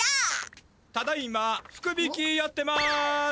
ただいま福引やってます。